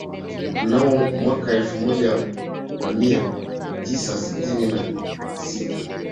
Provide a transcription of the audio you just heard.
Mnamo mwaka wa elfu moja mia tisa sitini na sita